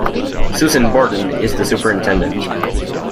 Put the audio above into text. Susan Borden is the superintendent.